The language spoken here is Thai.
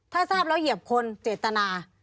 ถ้าทราบแล้วเหยียบคนเจตนา